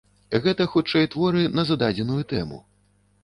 Гэта хутчэй творы на зададзеную тэму.